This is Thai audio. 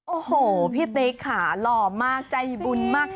โอ้โหพี่ติ๊กค่ะหล่อมากใจบุญมาก